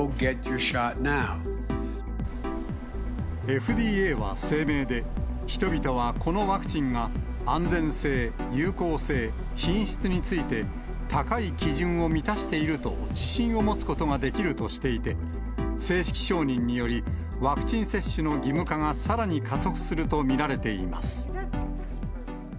ＦＤＡは声明で、人々はこのワクチンが安全性、有効性、品質について、高い基準を満たしていると自信を持つことができるとしていて、正式承認により、ワクチン接種の義務化がさらに加速すると見られています。